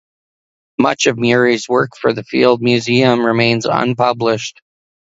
Much of Murie’s work for the Field Museum remains unpublished.